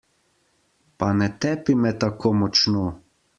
Pa ne tepi me tako močno!